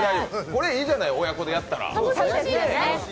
これいいじゃない、親子でやったら。